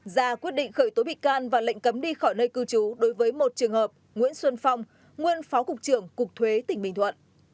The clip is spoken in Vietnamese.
ra quyết định khởi tố bị can và lệnh cấm đi khỏi nơi cư trú đối với một trường hợp nguyễn xuân phong nguyên phó cục trưởng cục thuế tỉnh bình thuận